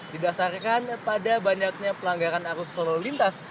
didasarkan pada banyaknya pelanggaran arus lalu lintas